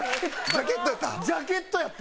ジャケットやった？